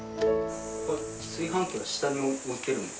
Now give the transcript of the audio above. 炊飯器は下に置いてるんだ。